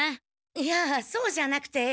いやそうじゃなくて。